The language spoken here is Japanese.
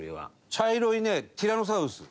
茶色いねティラノサウルス。